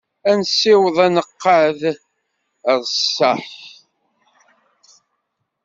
Ad nessiweḍ aneqqad ar ṣṣeḥ.